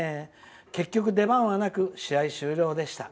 結局、出番はなく試合終了でした。